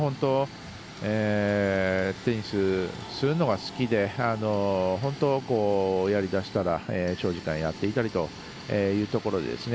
テニスをするのが好きで本当、やりだしたら長時間やっていたりというところですね。